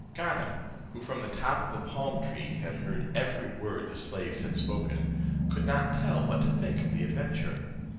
Ganem, who from the top of the palm tree had heard every word the slaves had spoken, could not tell what to think of the adventure.